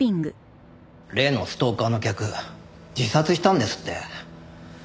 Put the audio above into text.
例のストーカーの客自殺したんですって？